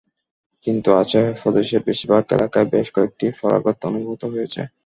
কিন্তু আচেহ প্রদেশের বেশির ভাগ এলাকায় বেশ কয়েকটি পরাঘাত অনুভূত হয়েছে।